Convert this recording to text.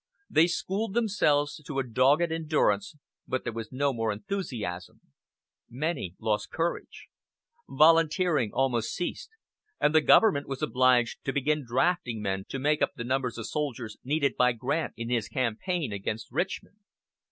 They schooled themselves to a dogged endurance, but there was no more enthusiasm. Many lost courage. Volunteering almost ceased, and the government was obliged to begin drafting men to make up the numbers of soldiers needed by Grant in his campaign against Richmond.